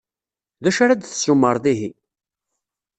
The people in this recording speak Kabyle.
D acu ara d-tessumred, ihi?